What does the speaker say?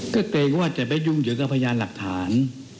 ก็เกรงว่าจะไปยุ่งเกี่ยวกับพยานหลักฐาน